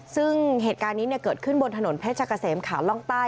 ซึ่งเหตุการณ์นี้เกิดขึ้นบนถนนเพชรกะเสมขาล่องใต้